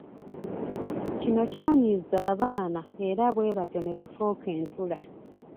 Kino kyanyiza abaana era bwe batyo ne bafuuka entula.